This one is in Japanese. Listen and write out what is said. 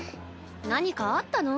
何かあったの？